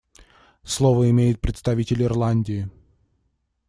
Слово имеет представитель Ирландии.